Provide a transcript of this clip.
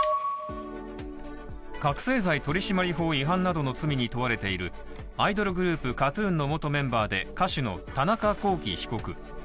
覚醒剤取締法違反などの罪に問われているアイドルグループＫＡＴ−ＴＵＮの元メンバーで歌手の田中聖被告。